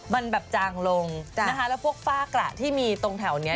มันแบบจางลงนะคะแล้วพวกฝ้ากระที่มีตรงแถวเนี้ย